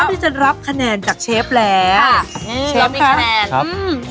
พร้อมที่จะรับคะแนนจากเชฟแล้วค่ะเรามีคะแนนครับอืม